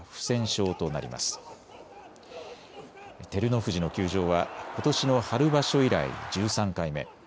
照ノ富士の休場はことしの春場所以来、１３回目。